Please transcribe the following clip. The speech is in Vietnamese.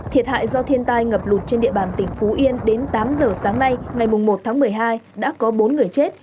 thiệt hại do thiên tai ngập lụt trên địa bàn tỉnh phú yên đến tám giờ sáng nay ngày một tháng một mươi hai đã có bốn người chết